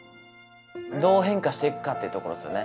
どう変化していくかっていうところっすよね